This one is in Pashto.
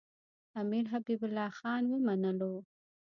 امیر حبیب الله خان ومنلو.